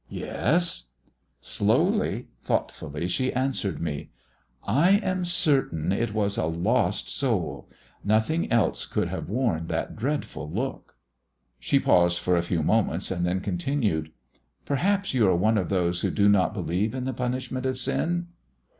"Yes." Slowly, thoughtfully, she answered me "I am certain it was a lost soul: nothing else could have worn that dreadful look." She paused for a few moments and then continued "Perhaps you are one of those who do not believe in the punishment of sin?"